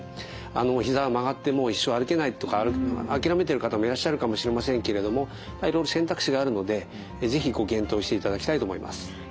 おひざが曲がってもう一生歩けないとか諦めている方もいらっしゃるかもしれませんけれどもいろいろ選択肢があるので是非ご検討していただきたいと思います。